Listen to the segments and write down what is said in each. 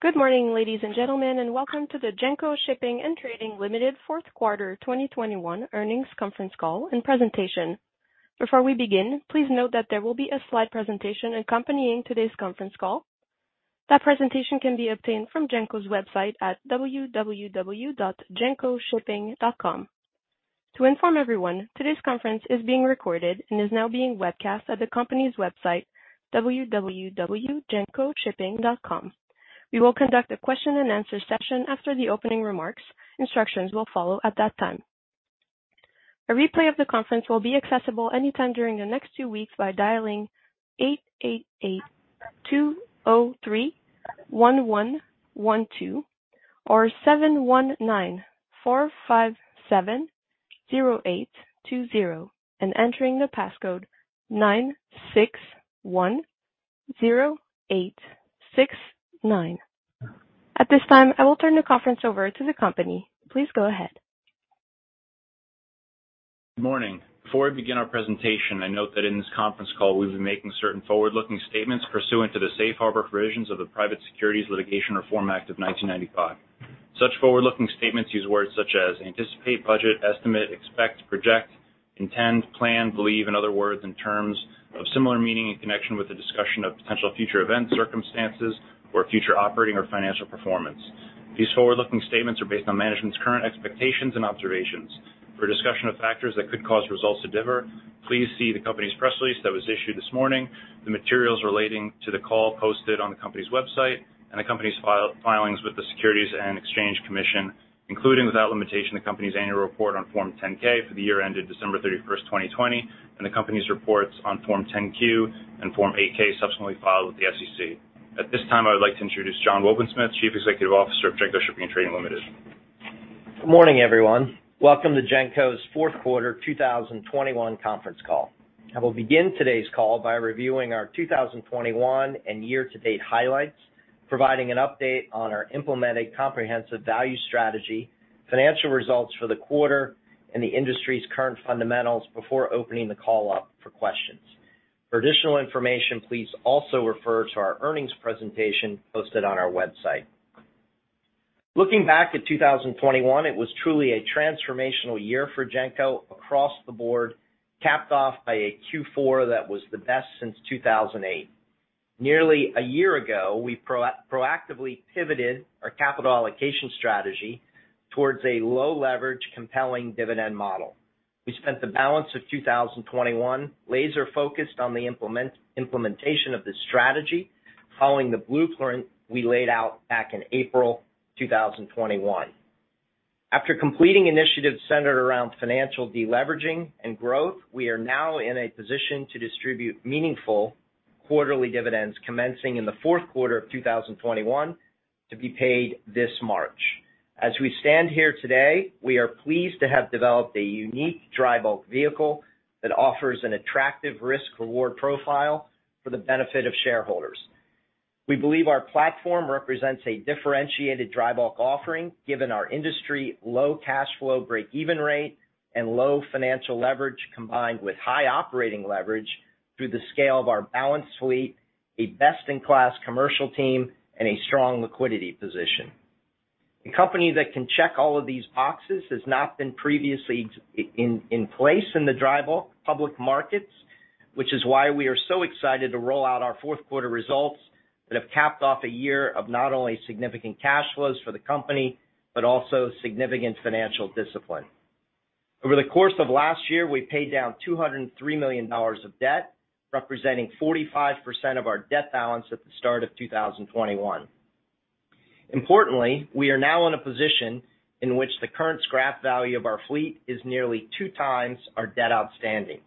Good morning, ladies and gentlemen, and welcome to the Genco Shipping & Trading Limited Fourth Quarter 2021 Earnings Conference Call and Presentation. Before we begin, please note that there will be a slide presentation accompanying today's conference call. That presentation can be obtained from Genco's website at www.gencoshipping.com. To inform everyone, today's conference is being recorded and is now being webcast at the company's website, www.gencoshipping.com. We will conduct a question and answer session after the opening remarks. Instructions will follow at that time. A replay of the conference will be accessible anytime during the next two weeks by dialing 888-203-1112 or 719-457-0820 and entering the passcode 9610869. At this time, I will turn the conference over to the company. Please go ahead. Good morning. Before we begin our presentation, I note that in this conference call we'll be making certain forward-looking statements pursuant to the safe harbor provisions of the Private Securities Litigation Reform Act of 1995. Such forward-looking statements use words such as anticipate, budget, estimate, expect, project, intend, plan, believe, and other words and terms of similar meaning in connection with the discussion of potential future events, circumstances, or future operating or financial performance. These forward-looking statements are based on management's current expectations and observations. For a discussion of factors that could cause results to differ, please see the company's press release that was issued this morning, the materials relating to the call posted on the company's website, and the company's filings with the Securities and Exchange Commission, including without limitation the company's annual report on Form 10-K for the year ended December 31st, 2020, and the company's reports on Form 10-Q and Form 8-K subsequently filed with the SEC. At this time, I would like to introduce John Wobensmith, Chief Executive Officer of Genco Shipping & Trading Limited. Good morning, everyone. Welcome to Genco's fourth quarter 2021 conference call. I will begin today's call by reviewing our 2021 and year-to-date highlights, providing an update on our implemented comprehensive value strategy, financial results for the quarter and the industry's current fundamentals before opening the call up for questions. For additional information, please also refer to our earnings presentation posted on our website. Looking back at 2021, it was truly a transformational year for Genco across the board, capped off by a Q4 that was the best since 2008. Nearly a year ago, we proactively pivoted our capital allocation strategy towards a low leverage, compelling dividend model. We spent the balance of 2021 laser-focused on the implementation of this strategy, following the blueprint we laid out back in April 2021. After completing initiatives centered around financial deleveraging and growth, we are now in a position to distribute meaningful quarterly dividends commencing in the fourth quarter of 2021 to be paid this March. As we stand here today, we are pleased to have developed a unique drybulk vehicle that offers an attractive risk/reward profile for the benefit of shareholders. We believe our platform represents a differentiated drybulk offering given our industry low cash flow, break-even rate, and low financial leverage, combined with high operating leverage through the scale of our balanced fleet, a best-in-class commercial team and a strong liquidity position. A company that can check all of these boxes has not been previously in place in the drybulk public markets, which is why we are so excited to roll out our fourth quarter results that have capped off a year of not only significant cash flows for the company, but also significant financial discipline. Over the course of last year, we paid down $203 million of debt, representing 45% of our debt balance at the start of 2021. Importantly, we are now in a position in which the current scrap value of our fleet is nearly two times our debt outstanding.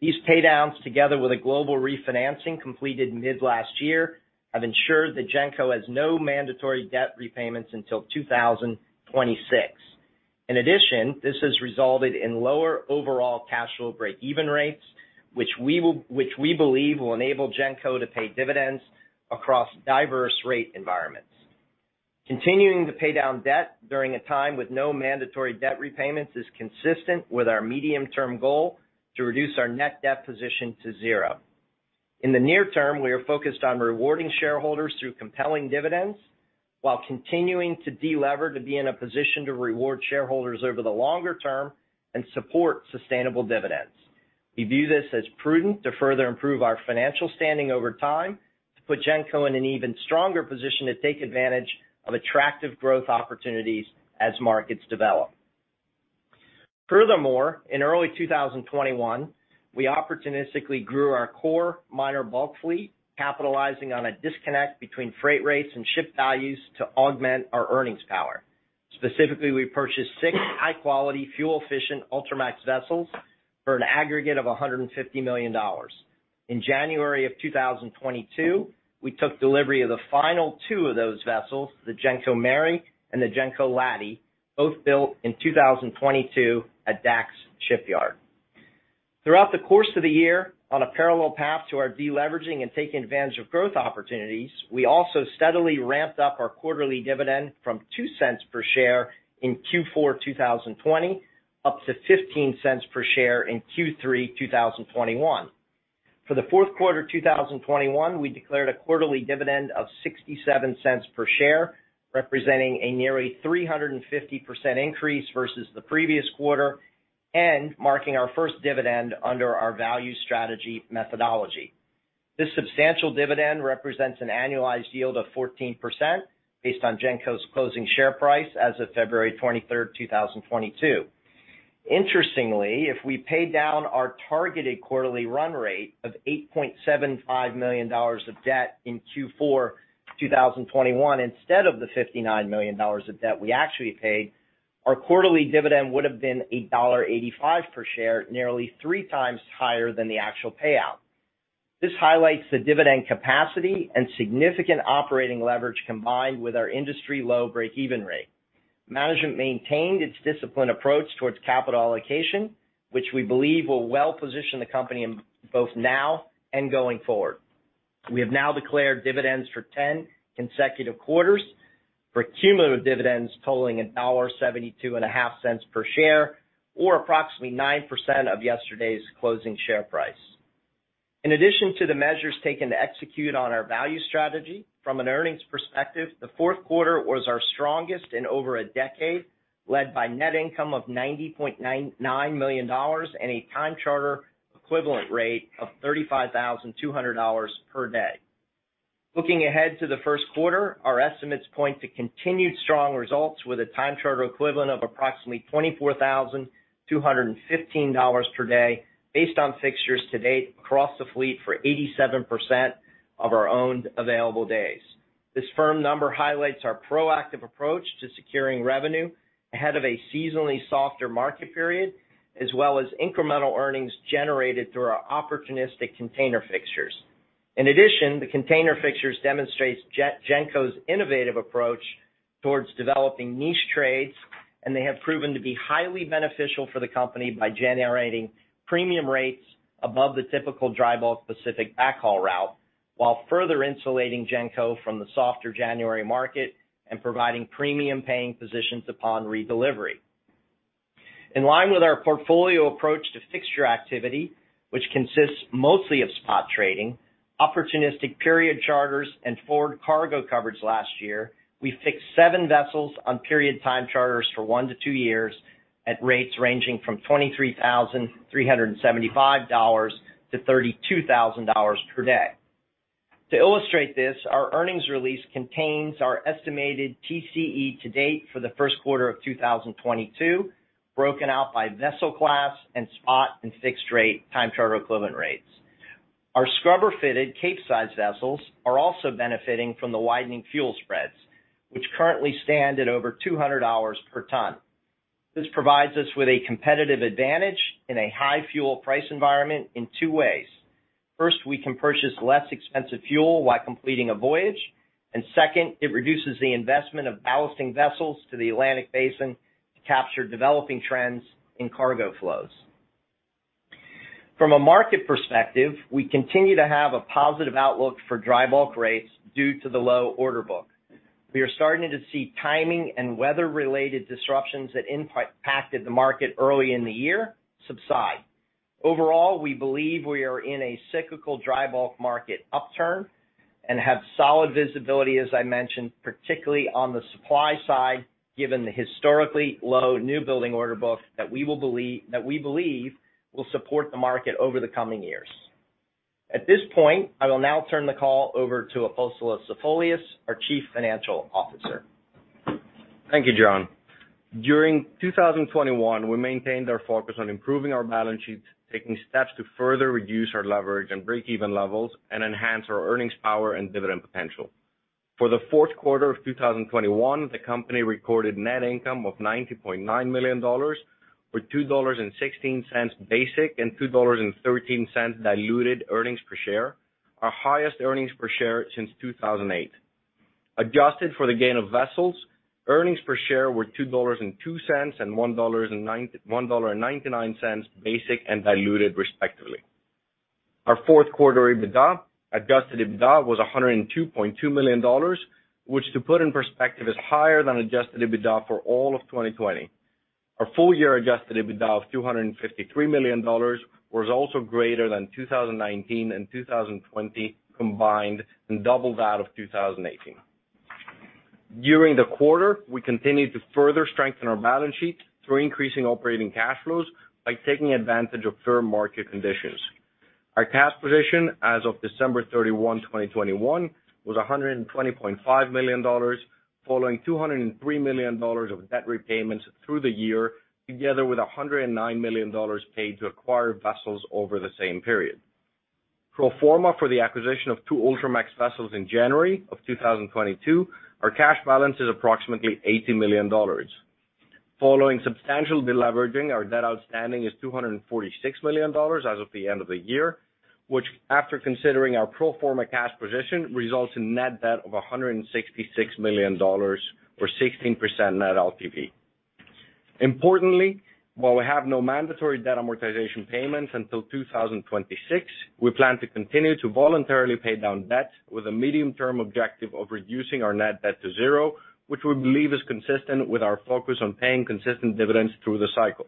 These paydowns, together with a global refinancing completed mid last year, have ensured that Genco has no mandatory debt repayments until 2026. In addition, this has resulted in lower overall cash flow break-even rates, which we believe will enable Genco to pay dividends across diverse rate environments. Continuing to pay down debt during a time with no mandatory debt repayments is consistent with our medium-term goal to reduce our net debt position to zero. In the near term, we are focused on rewarding shareholders through compelling dividends while continuing to delever to be in a position to reward shareholders over the longer term and support sustainable dividends. We view this as prudent to further improve our financial standing over time to put Genco in an even stronger position to take advantage of attractive growth opportunities as markets develop. Furthermore, in early 2021, we opportunistically grew our core minor bulk fleet, capitalizing on a disconnect between freight rates and ship values to augment our earnings power. Specifically, we purchased six high-quality, fuel-efficient Ultramax vessels for an aggregate of $150 million. In January of 2022, we took delivery of the final two of those vessels, the Genco Mary and the Genco Laddey, both built in 2022 at DACKS shipyard. Throughout the course of the year, on a parallel path to our deleveraging and taking advantage of growth opportunities, we also steadily ramped up our quarterly dividend from $0.02 per share in Q4 2020 up to $0.15 per share in Q3 2021. For the fourth quarter 2021, we declared a quarterly dividend of $0.67 per share, representing a nearly 350% increase versus the previous quarter, and marking our first dividend under our value strategy methodology. This substantial dividend represents an annualized yield of 14% based on Genco's closing share price as of February 23rd, 2022. Interestingly, if we paid down our targeted quarterly run rate of $8.75 million of debt in Q4 2021 instead of the $59 million of debt we actually paid, our quarterly dividend would have been $1.85 per share, nearly 3x higher than the actual payout. This highlights the dividend capacity and significant operating leverage combined with our industry-low breakeven rate. Management maintained its disciplined approach towards capital allocation, which we believe will well position the company in both now and going forward. We have now declared dividends for 10 consecutive quarters for cumulative dividends totaling $1.725 per share, or approximately 9% of yesterday's closing share price. In addition to the measures taken to execute on our value strategy from an earnings perspective, the fourth quarter was our strongest in over a decade, led by net income of $90.9 million and a time charter equivalent rate of $35,200 per day. Looking ahead to the first quarter, our estimates point to continued strong results with a time charter equivalent of approximately $24,215 per day based on fixtures to date across the fleet for 87% of our owned available days. This firm number highlights our proactive approach to securing revenue ahead of a seasonally softer market period, as well as incremental earnings generated through our opportunistic container fixtures. In addition, the container fixtures demonstrates Genco's innovative approach towards developing niche trades, and they have proven to be highly beneficial for the company by generating premium rates above the typical drybulk Pacific backhaul route, while further insulating Genco from the softer January market and providing premium paying positions upon redelivery. In line with our portfolio approach to fixture activity, which consists mostly of spot trading, opportunistic period charters, and forward cargo coverage last year, we fixed seven vessels on period time charters for one to two years at rates ranging from $23,375-$32,000 per day. To illustrate this, our earnings release contains our estimated TCE to date for the first quarter of 2022, broken out by vessel class and spot and fixed rate time charter equivalent rates. Our scrubber-fitted Capesize vessels are also benefiting from the widening fuel spreads, which currently stand at over $200 per ton. This provides us with a competitive advantage in a high fuel price environment in two ways. First, we can purchase less expensive fuel while completing a voyage. Second, it reduces the investment of ballasting vessels to the Atlantic Basin to capture developing trends in cargo flows. From a market perspective, we continue to have a positive outlook for drybulk rates due to the low order book. We are starting to see timing and weather-related disruptions that impacted the market early in the year subside. Overall, we believe we are in a cyclical drybulk market upturn and have solid visibility, as I mentioned, particularly on the supply side, given the historically low new building order book that we believe will support the market over the coming years. At this point, I will now turn the call over to Apostolos Zafolias, our Chief Financial Officer. Thank you, John. During 2021, we maintained our focus on improving our balance sheet, taking steps to further reduce our leverage and breakeven levels, and enhance our earnings power and dividend potential. For the fourth quarter of 2021, the company recorded net income of $90.9 million, with $2.16 basic and $2.13 diluted earnings per share, our highest earnings per share since 2008. Adjusted for the gain of vessels, earnings per share were $2.02, and $1.99 basic and diluted, respectively. Our fourth quarter EBITDA, adjusted EBITDA, was $102.2 million, which, to put in perspective, is higher than adjusted EBITDA for all of 2020. Our full-year adjusted EBITDA of $253 million was also greater than 2019 and 2020 combined, and doubles that of 2018. During the quarter, we continued to further strengthen our balance sheet through increasing operating cash flows by taking advantage of firm market conditions. Our cash position as of December 31, 2021 was $120.5 million, following $203 million of debt repayments through the year, together with $109 million paid to acquire vessels over the same period. Pro forma for the acquisition of two Ultramax vessels in January 2022, our cash balance is approximately $80 million. Following substantial de-leveraging, our debt outstanding is $246 million as of the end of the year, which, after considering our pro forma cash position, results in net debt of $166 million or 16% net LTV. Importantly, while we have no mandatory debt amortization payments until 2026, we plan to continue to voluntarily pay down debt with a medium-term objective of reducing our net debt to zero, which we believe is consistent with our focus on paying consistent dividends through the cycle.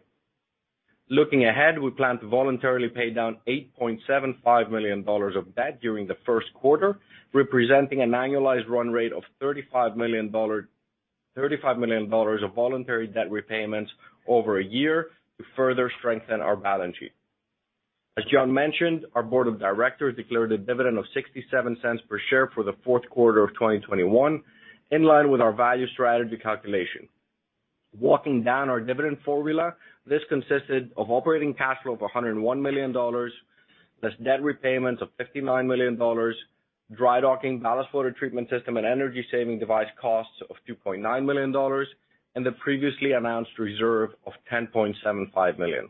Looking ahead, we plan to voluntarily pay down $8.75 million of debt during the first quarter, representing an annualized run rate of $35 million of voluntary debt repayments over a year to further strengthen our balance sheet. As John mentioned, our board of directors declared a dividend of $0.67 per share for the fourth quarter of 2021, in line with our value strategy calculation. Walking down our dividend formula, this consisted of operating cash flow of $101 million, plus debt repayments of $59 million, dry docking ballast water treatment system and energy saving device costs of $2.9 million, and the previously announced reserve of $10.75 million.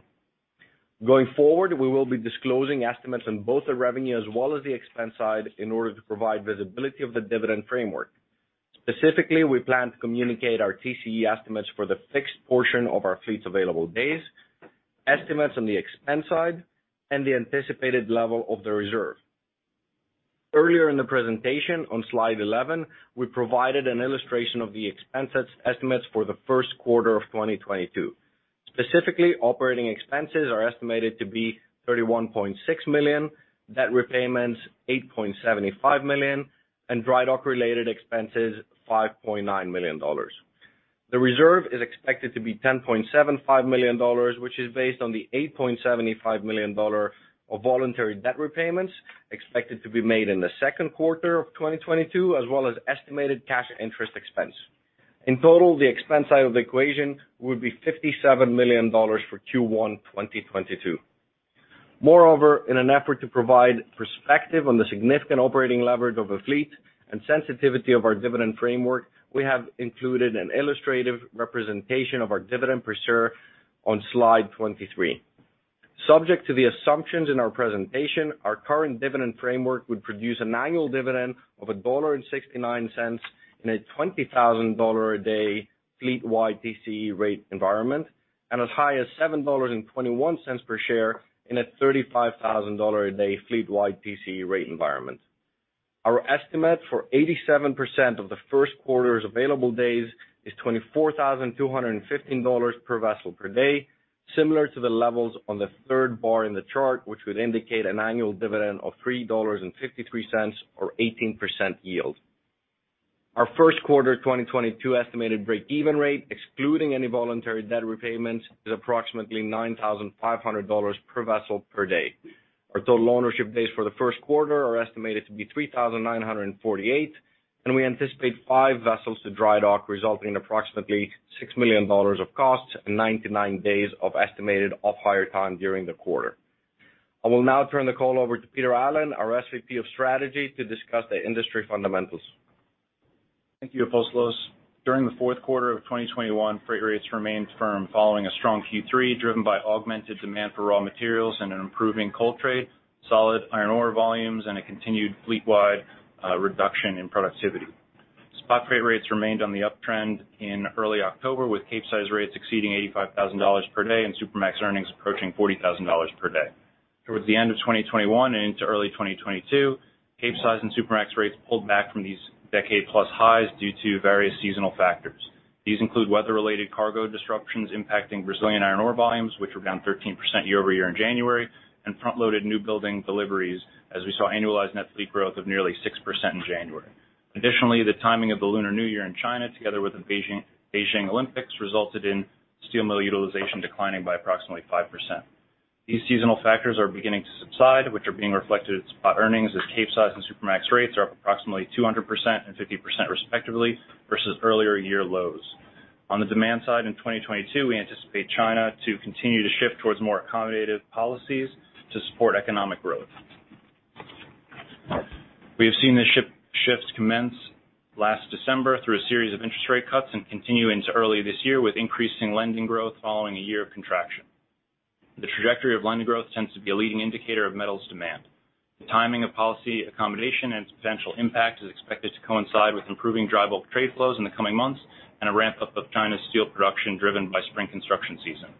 Going forward, we will be disclosing estimates on both the revenue as well as the expense side in order to provide visibility of the dividend framework. Specifically, we plan to communicate our TCE estimates for the fixed portion of our fleet's available days, estimates on the expense side, and the anticipated level of the reserve. Earlier in the presentation, on slide 11, we provided an illustration of the expenses estimates for the first quarter of 2022. Specifically, operating expenses are estimated to be $31.6 million, debt repayments $8.75 million, and dry dock-related expenses $5.9 million. The reserve is expected to be $10.75 million, which is based on the $8.75 million of voluntary debt repayments expected to be made in the second quarter of 2022, as well as estimated cash interest expense. In total, the expense side of the equation would be $57 million for Q1 2022. Moreover, in an effort to provide perspective on the significant operating leverage of a fleet and sensitivity of our dividend framework, we have included an illustrative representation of our dividend per share on slide 23. Subject to the assumptions in our presentation, our current dividend framework would produce an annual dividend of $1.69 in a $20,000 a day fleet-wide TCE rate environment, and as high as $7.21 per share in a $35,000 a day fleet-wide TCE rate environment. Our estimate for 87% of the first quarter's available days is $24,215 per vessel per day, similar to the levels on the third bar in the chart, which would indicate an annual dividend of $3.53 or 18% yield. Our first quarter 2022 estimated break-even rate, excluding any voluntary debt repayments, is approximately $9,500 per vessel per day. Our total ownership days for the first quarter are estimated to be 3,948, and we anticipate five vessels to dry dock, resulting in approximately $6 million of costs and 99 days of estimated off-hire time during the quarter. I will now turn the call over to Peter Allen, our SVP of Strategy, to discuss the industry fundamentals. Thank you, Apostolos. During the fourth quarter of 2021, freight rates remained firm following a strong Q3, driven by augmented demand for raw materials and an improving coal trade, solid iron ore volumes, and a continued fleet-wide reduction in productivity. Spot freight rates remained on the uptrend in early October, with Capesize rates exceeding $85,000 per day and Supramax earnings approaching $40,000 per day. Towards the end of 2021 and into early 2022, Capesize and Supramax rates pulled back from these decade-plus highs due to various seasonal factors. These include weather-related cargo disruptions impacting Brazilian iron ore volumes, which were down 13% year-over-year in January, and front-loaded new building deliveries, as we saw annualized net fleet growth of nearly 6% in January. Additionally, the timing of the Lunar New Year in China, together with the Beijing Olympics, resulted in steel mill utilization declining by approximately 5%. These seasonal factors are beginning to subside, which are being reflected in spot earnings as Capesize and Supramax rates are up approximately 200% and 50% respectively versus earlier year lows. On the demand side in 2022, we anticipate China to continue to shift towards more accommodative policies to support economic growth. We have seen the shifts commence last December through a series of interest rate cuts and continue into early this year with increasing lending growth following a year of contraction. The trajectory of lending growth tends to be a leading indicator of metals demand. The timing of policy accommodation and its potential impact is expected to coincide with improving drybulk trade flows in the coming months and a ramp up of China's steel production driven by spring construction season.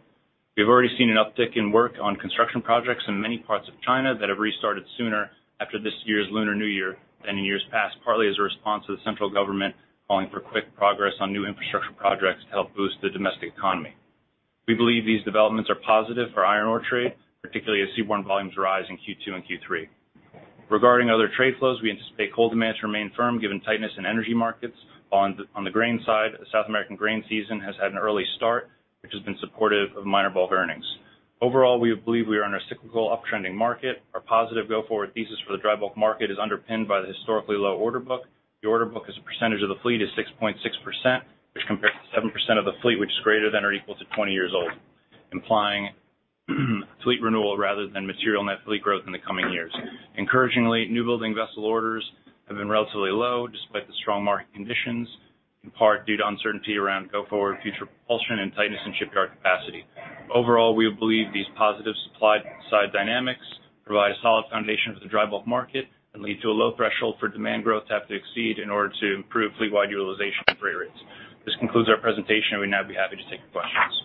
We've already seen an uptick in work on construction projects in many parts of China that have restarted sooner after this year's Lunar New Year than in years past, partly as a response to the central government calling for quick progress on new infrastructure projects to help boost the domestic economy. We believe these developments are positive for iron ore trade, particularly as seaborne volumes rise in Q2 and Q3. Regarding other trade flows, we anticipate coal demands remain firm given tightness in energy markets. On the grain side, the South American grain season has had an early start, which has been supportive of minor bulk earnings. Overall, we believe we are in a cyclical uptrending market. Our positive go-forward thesis for the drybulk market is underpinned by the historically low order book. The order book as a percentage of the fleet is 6.6%, which compares to 7% of the fleet which is greater than or equal to 20 years old, implying fleet renewal rather than material net fleet growth in the coming years. Encouragingly, newbuilding vessel orders have been relatively low despite the strong market conditions, in part due to uncertainty around go-forward future propulsion and tightness in shipyard capacity. Overall, we believe these positive supply-side dynamics provide a solid foundation for the drybulk market and lead to a low threshold for demand growth to have to exceed in order to improve fleet-wide utilization and freight rates. This concludes our presentation. We'd now be happy to take your questions.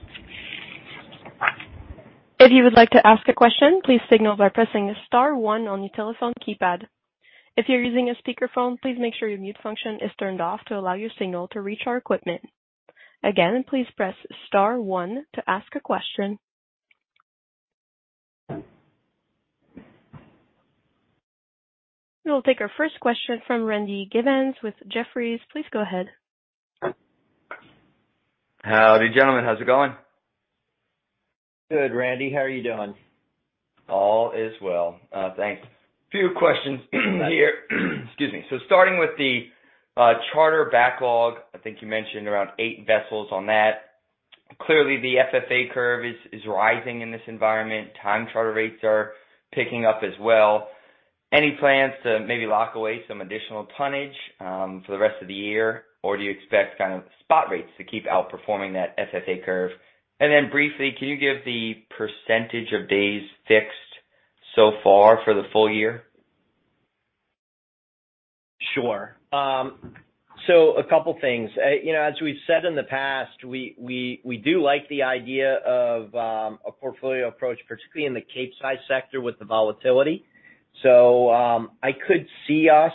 If you would like to ask a question, please signal by pressing star one on your telephone keypad. If you're using a speakerphone, please make sure your mute function is turned off to allow your signal to reach our equipment. Again, please press star one to ask a question. We'll take our first question from Randy Giveans with Jefferies. Please go ahead. Howdy, gentlemen. How's it going? Good, Randy. How are you doing? All is well. Thanks. Few questions here. Excuse me. So starting with the charter backlog, I think you mentioned around eight vessels on that. Clearly, the FFA curve is rising in this environment. Time charter rates are picking up as well. Any plans to maybe lock away some additional tonnage for the rest of the year, or do you expect kind of spot rates to keep outperforming that FFA curve? And then briefly, can you give the percentage of days fixed so far for the full year? Sure. A couple of things. You know, as we've said in the past, we do like the idea of a portfolio approach, particularly in the Capesize sector with the volatility. I could see us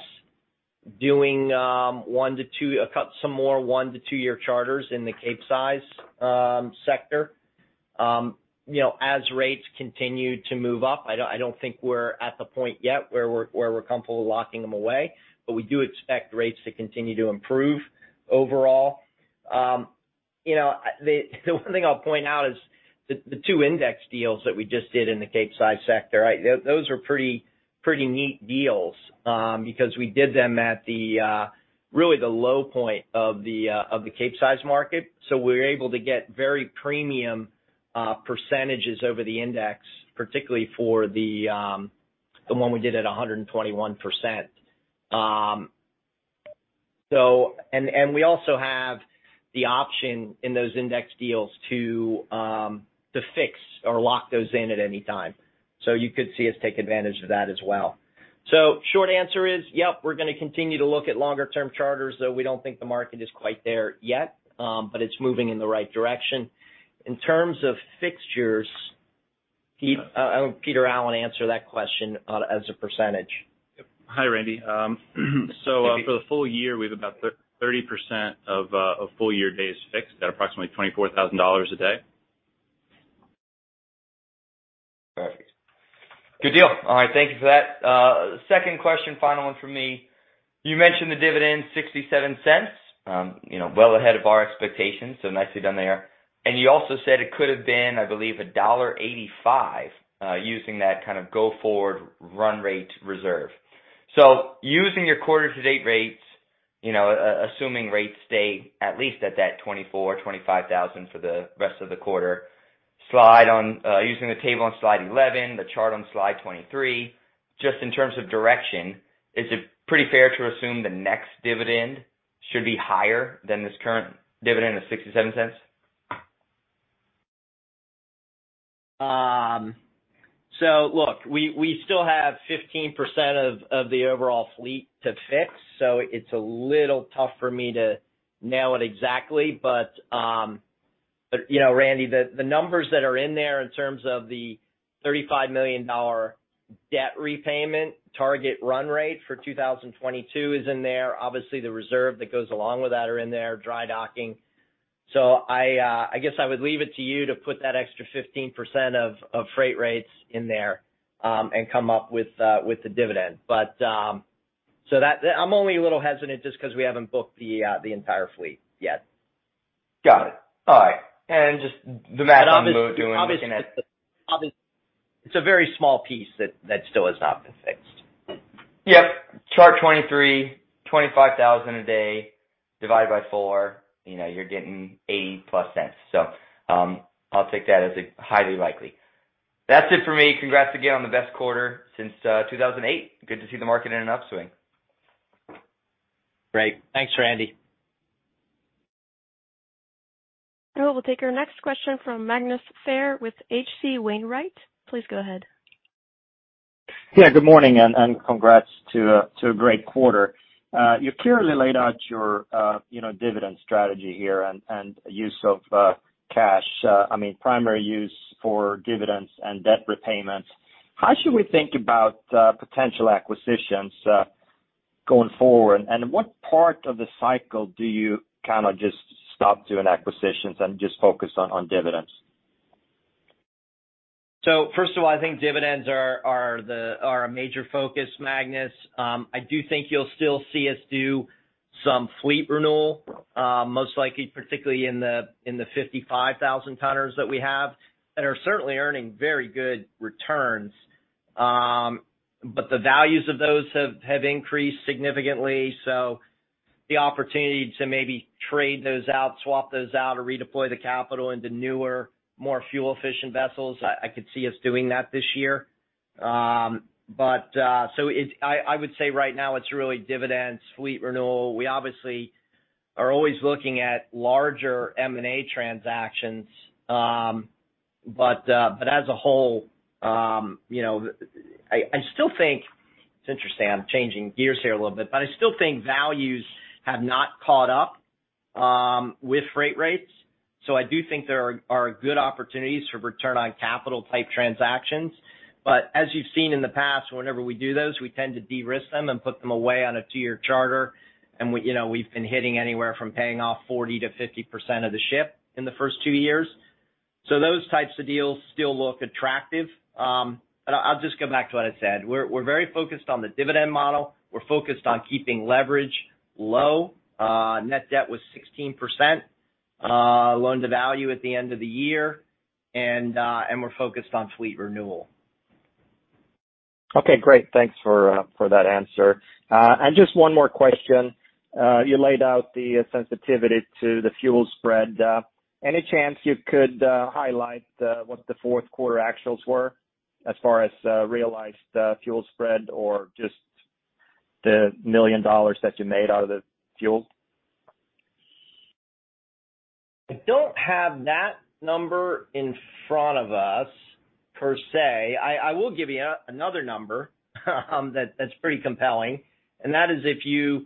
doing one to two, some more one- to two-year charters in the Capesize sector. You know, as rates continue to move up, I don't think we're at the point yet where we're comfortable locking them away. We do expect rates to continue to improve overall. You know, the one thing I'll point out is the two index deals that we just did in the Capesize sector. Those are pretty neat deals, because we did them at really the low point of the Capesize market. We're able to get very premium percentages over the index, particularly for the one we did at 121%. And we also have the option in those index deals to fix or lock those in at any time. You could see us take advantage of that as well. Short answer is, yep, we're gonna continue to look at longer-term charters, though we don't think the market is quite there yet. It's moving in the right direction. In terms of fixtures, Pete, I'll let Peter Allen answer that question on as a percentage. Yep. Hi, Randy. For the full year, we have about 30% of full year days fixed at approximately $24,000 a day. Perfect. Good deal. All right. Thank you for that. Second question, final one from me. You mentioned the dividend $0.67, you know, well ahead of our expectations, so nicely done there. You also said it could have been, I believe, $1.85, using that kind of go-forward run rate reserve. Using your quarter to date rates, you know, assuming rates stay at least at that $24,000-$25,000 for the rest of the quarter, using the table on slide 11, the chart on slide 23, just in terms of direction, is it pretty fair to assume the next dividend should be higher than this current dividend of $0.67? Look, we still have 15% of the overall fleet to fix, so it's a little tough for me to nail it exactly. You know, Randy, the numbers that are in there in terms of the $35 million debt repayment target run rate for 2022 is in there. Obviously, the reserve that goes along with that are in there, dry docking. I guess I would leave it to you to put that extra 15% of freight rates in there and come up with the dividend. I'm only a little hesitant just 'cause we haven't booked the entire fleet yet. Got it. All right. Just the math I'm doing. It's a very small piece that still has not been fixed. Yep. Chart 23, $25,000 a day divided by four, you know, you're getting $0.80+. I'll take that as highly likely. That's it for me. Congrats again on the best quarter since 2008. Good to see the market in an upswing. Great. Thanks, Randy. We'll take our next question from Magnus Fyhr with H.C. Wainwright. Please go ahead. Yeah, good morning and congrats to a great quarter. You clearly laid out your, you know, dividend strategy here and use of cash. I mean, primary use for dividends and debt repayments. How should we think about potential acquisitions going forward? What part of the cycle do you kind of just stop doing acquisitions and just focus on dividends? First of all, I think dividends are a major focus, Magnus. I do think you'll still see us do some fleet renewal, most likely, particularly in the 55,000 tonners that we have that are certainly earning very good returns. But the values of those have increased significantly. The opportunity to maybe trade those out, swap those out, or redeploy the capital into newer, more fuel-efficient vessels, I could see us doing that this year. I would say right now it's really dividends, fleet renewal. We obviously are always looking at larger M&A transactions. But as a whole, you know, I still think it's interesting. I'm changing gears here a little bit, but I still think values have not caught up with freight rates. I do think there are good opportunities for return on capital type transactions. As you've seen in the past, whenever we do those, we tend to de-risk them and put them away on a two-year charter. We, you know, we've been hitting anywhere from paying off 40%-50% of the ship in the first two years. Those types of deals still look attractive. I'll just go back to what I said. We're very focused on the dividend model. We're focused on keeping leverage low. Net debt was 16%, loan-to-value at the end of the year, and we're focused on fleet renewal. Okay, great. Thanks for that answer. Just one more question. You laid out the sensitivity to the fuel spread. Any chance you could highlight what the fourth quarter actuals were as far as realized fuel spread or just the $1 million that you made out of the fuel? I don't have that number in front of us, per se. I will give you another number, that's pretty compelling. That is if you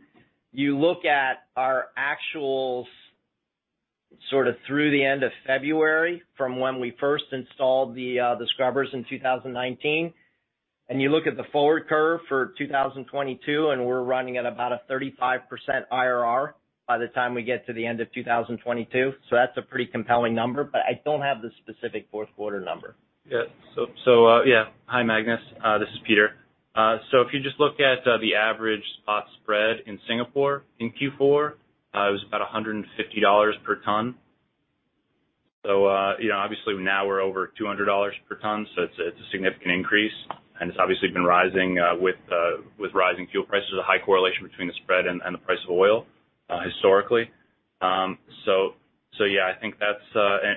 look at our actuals sort of through the end of February from when we first installed the scrubbers in 2019, and you look at the forward curve for 2022, and we're running at about a 35% IRR by the time we get to the end of 2022. That's a pretty compelling number, but I don't have the specific fourth quarter number. Hi, Magnus. This is Peter. If you just look at the average spot spread in Singapore in Q4, it was about $150 per ton. You know, obviously now we're over $200 per ton, so it's a significant increase, and it's obviously been rising with rising fuel prices. There's a high correlation between the spread and the price of oil historically. Yeah, I think that's.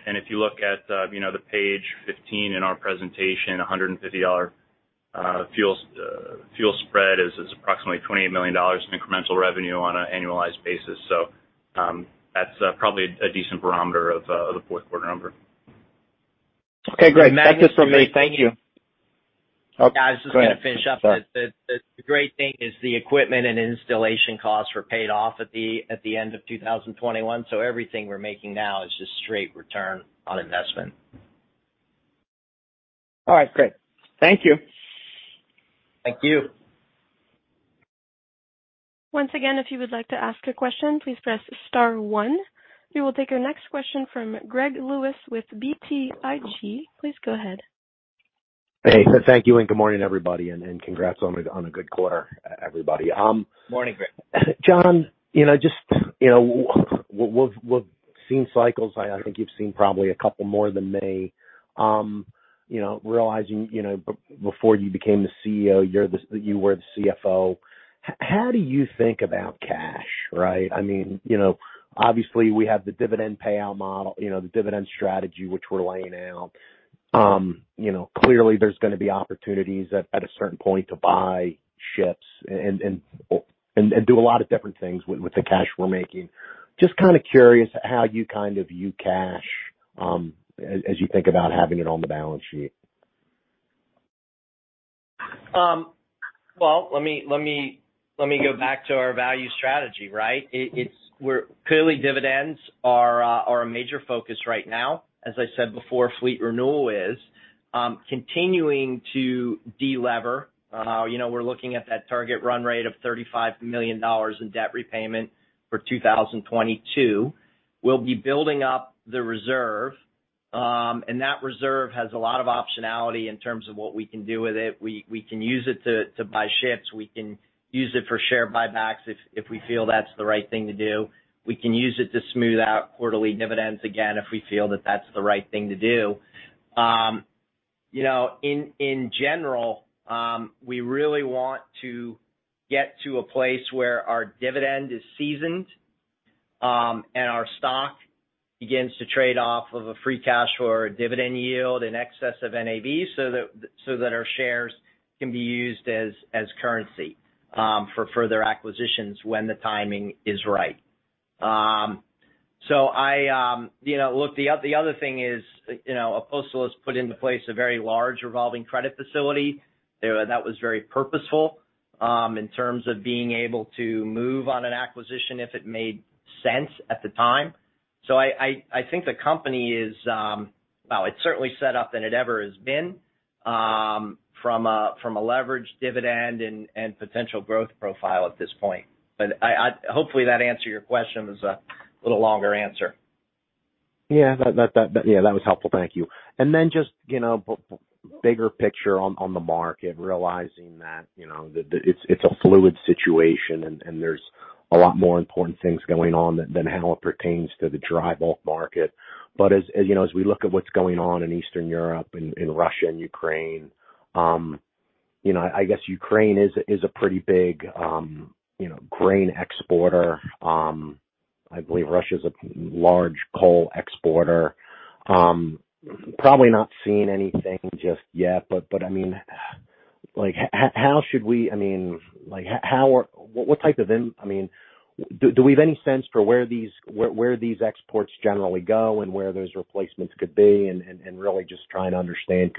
If you look at you know, the page 15 in our presentation, a $150 fuel spread is approximately $28 million in incremental revenue on an annualized basis. That's probably a decent barometer of the fourth quarter number. Okay, great. That's it for me. Thank you. Yeah, I was just gonna finish up. The great thing is the equipment and installation costs were paid off at the end of 2021. Everything we're making now is just straight return on investment. All right. Great. Thank you. Thank you. Once again, if you would like to ask a question, please press star one. We will take our next question from Greg Lewis with BTIG. Please go ahead. Hey, thank you, and good morning, everybody, and congrats on a good quarter, everybody. Morning, Greg. John, you know, just, you know, we've seen cycles. I think you've seen probably a couple more than me. You know, before you became the CEO, you were the CFO. How do you think about cash, right? I mean, you know, obviously we have the dividend payout model, you know, the dividend strategy, which we're laying out. You know, clearly there's gonna be opportunities at a certain point to buy ships and do a lot of different things with the cash we're making. Just kinda curious how you kind of view cash, as you think about having it on the balance sheet. Well, let me go back to our value strategy, right? Clearly, dividends are a major focus right now. As I said before, fleet renewal is continuing to de-lever. You know, we're looking at that target run rate of $35 million in debt repayment for 2022. We'll be building up the reserve, and that reserve has a lot of optionality in terms of what we can do with it. We can use it to buy ships. We can use it for share buybacks if we feel that's the right thing to do. We can use it to smooth out quarterly dividends, again, if we feel that that's the right thing to do. You know, in general, we really want to get to a place where our dividend is seasoned, and our stock begins to trade off of a free cash flow or a dividend yield in excess of NAV, so that our shares can be used as currency for further acquisitions when the timing is right. So I... Ypu know, look, the other thing is, you know, Apostolos put into place a very large revolving credit facility. That was very purposeful in terms of being able to move on an acquisition if it made sense at the time. So I think the company is, well, it's certainly set up than it ever has been from a leverage dividend and potential growth profile at this point. But I... Hopefully, that answered your question. It was a little longer answer. Yeah. That was helpful. Thank you. Then just, you know, bigger picture on the market, realizing that, you know, it's a fluid situation and there's a lot more important things going on than how it pertains to the drybulk market. As you know, as we look at what's going on in Eastern Europe, in Russia and Ukraine, you know, I guess Ukraine is a pretty big, you know, grain exporter. I believe Russia's a large coal exporter. Probably not seeing anything just yet, but I mean, like, how should we. I mean, like, how are. What type of... I mean, do we have any sense for where these exports generally go and where those replacements could be? Really just trying to understand.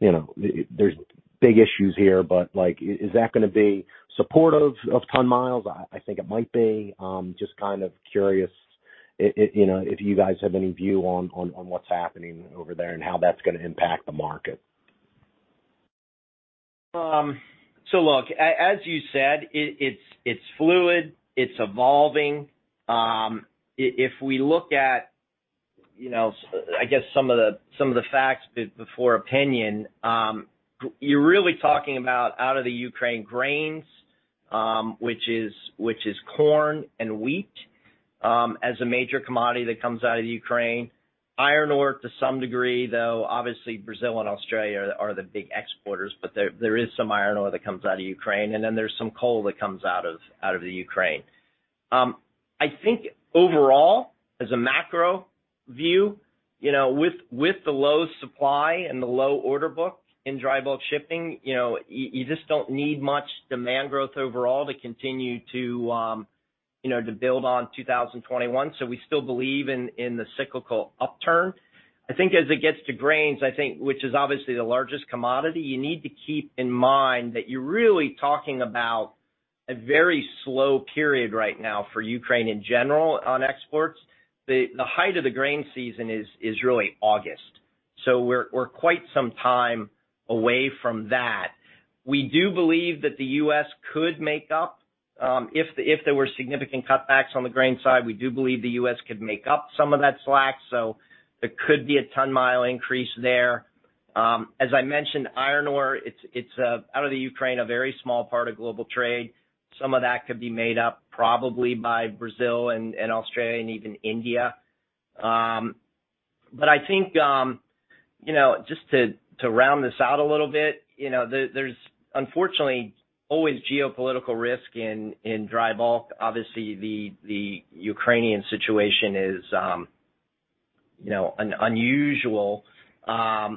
You know, there's big issues here, but, like, is that gonna be supportive of ton miles? I think it might be. Just kind of curious, you know, if you guys have any view on what's happening over there and how that's gonna impact the market. As you said, it's fluid, it's evolving. If we look at, you know, I guess some of the facts before opinion, you're really talking about out of Ukraine grains, which is corn and wheat, as a major commodity that comes out of Ukraine. Iron ore to some degree, though obviously Brazil and Australia are the big exporters, but there is some iron ore that comes out of Ukraine, and then there's some coal that comes out of Ukraine. I think overall, as a macro view, you know, with the low supply and the low order book in drybulk shipping, you know, you just don't need much demand growth overall to continue to build on 2021. We still believe in the cyclical upturn. I think as it gets to grains, which is obviously the largest commodity, you need to keep in mind that you're really talking about a very slow period right now for Ukraine in general on exports. The height of the grain season is really August. We're quite some time away from that. We do believe that the U.S. could make up, if there were significant cutbacks on the grain side, we do believe the U.S. could make up some of that slack, so there could be a ton mile increase there. As I mentioned, iron ore, it's out of the Ukraine, a very small part of global trade. Some of that could be made up probably by Brazil and Australia and even India. I think, you know, just to round this out a little bit, you know, there's unfortunately always geopolitical risk in drybulk. Obviously, the Ukrainian situation is, you know, unusual. I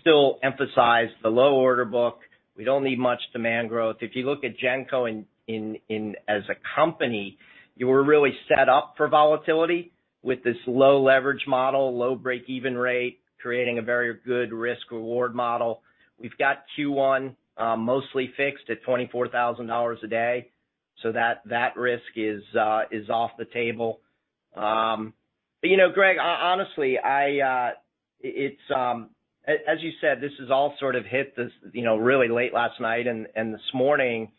still emphasize the low order book. We don't need much demand growth. If you look at Genco, as a company, we're really set up for volatility with this low leverage model, low break-even rate, creating a very good risk-reward model. We've got Q1 mostly fixed at $24,000 a day, so that risk is off the table. You know, Greg, honestly, it's as you said, this has all sort of hit this, you know, really late last night and this morning.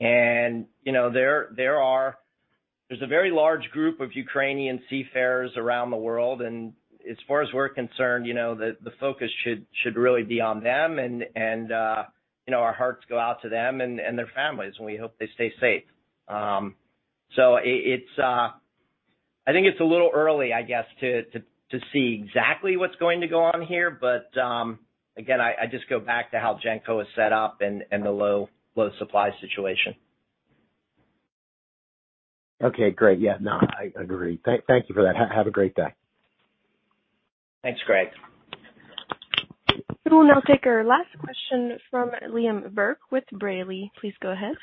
You know, there are... There's a very large group of Ukrainian seafarers around the world, and as far as we're concerned, you know, the focus should really be on them and, you know, our hearts go out to them and their families, and we hope they stay safe. I think it's a little early, I guess, to see exactly what's going to go on here. Again, I just go back to how Genco is set up and the low supply situation. Okay, great. Yeah, no, I agree. Thank you for that. Have a great day. Thanks, Greg. We will now take our last question from Liam Burke with B. Riley. Please go ahead.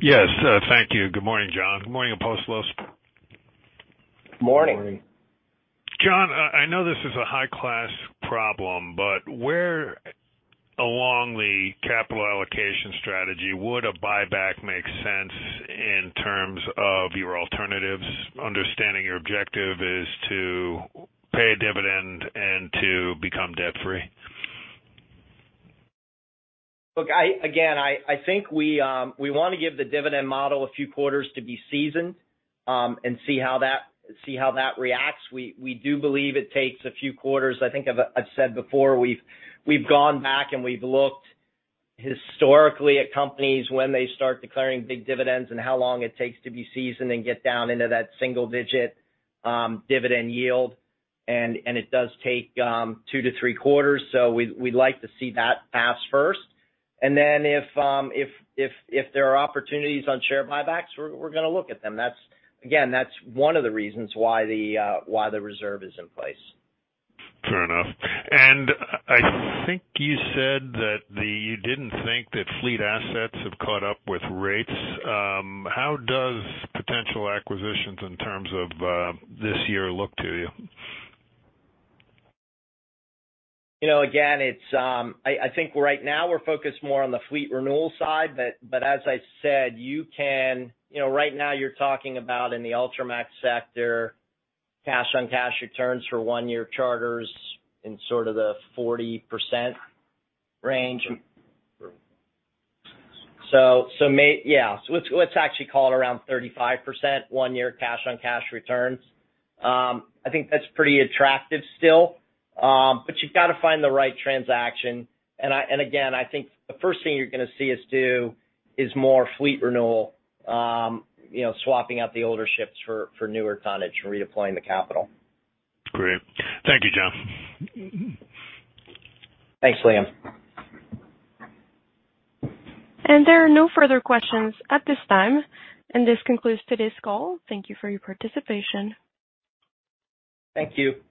Yes. Thank you. Good morning, John. Good morning, Apostolos. Morning. John, I know this is a high-class problem, but where along the capital allocation strategy would a buyback make sense in terms of your alternatives, understanding your objective is to pay a dividend and to become debt-free? Look. Again, I think we want to give the dividend model a few quarters to be seasoned and see how that reacts. We do believe it takes a few quarters. I think I've said before, we've gone back and we've looked historically at companies when they start declaring big dividends and how long it takes to be seasoned and get down into that single-digit dividend yield. It does take two to three quarters. We'd like to see that pass first. If there are opportunities on share buybacks, we're going to look at them. That's again one of the reasons why the reserve is in place. Fair enough. I think you said that you didn't think that fleet assets have caught up with rates. How does potential acquisitions in terms of this year look to you? You know, again, I think right now we're focused more on the fleet renewal side. As I said, you know, right now you're talking about in the Ultramax sector cash-on-cash returns for one-year charters in sort of the 40% range. Let's actually call it around 35% one-year cash-on-cash returns. I think that's pretty attractive still. You've got to find the right transaction. Again, I think the first thing you're gonna see us do is more fleet renewal, you know, swapping out the older ships for newer tonnage and redeploying the capital. Great. Thank you, John. Thanks, Liam. There are no further questions at this time, and this concludes today's call. Thank you for your participation. Thank you.